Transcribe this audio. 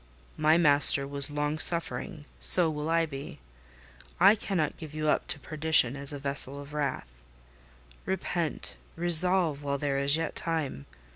My Master was long suffering: so will I be. I cannot give you up to perdition as a vessel of wrath: repent—resolve, while there is yet time.